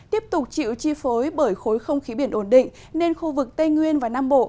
tiếp tục chịu chi phối bởi khối không khí biển ổn định nên khu vực tây nguyên và nam bộ